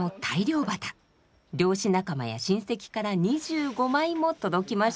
漁師仲間や親戚から２５枚も届きました。